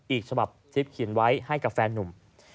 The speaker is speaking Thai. อีกฉบับทริปเขียนไว้ให้กับแฟนนุ่ม